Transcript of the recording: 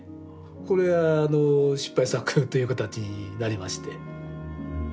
これは失敗作という形になりまして。